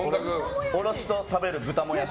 おろしと食べる豚もやし。